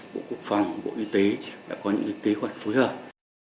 bộ quốc phòng bộ y tế đã có những kế hoạch phối hợp